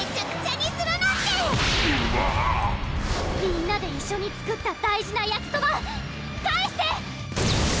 みんなで一緒に作った大事なやきそば返して！